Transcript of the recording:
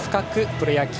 プロ野球」。